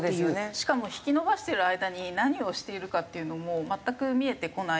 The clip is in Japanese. しかも引き延ばしてる間に何をしているかっていうのも全く見えてこない。